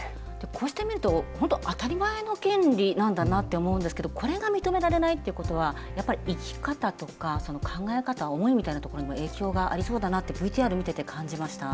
こうして見ると本当当たり前の権利なんだなって思うんですけどこれが認められないってことはやっぱり生き方とか考え方思いみたいなところにも影響がありそうだなってＶＴＲ見てて感じました。